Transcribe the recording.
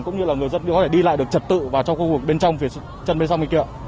cũng như là người dân có thể đi lại được trật tự vào trong khu vực bên trong phía chân bên trong kia kìa